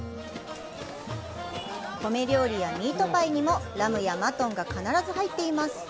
米料理やミートパイにもラムやマトンが必ず入っています。